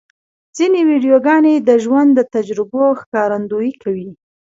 ځینې ویډیوګانې د ژوند د تجربو ښکارندویي کوي.